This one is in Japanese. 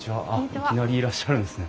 いきなりいらっしゃるんですね。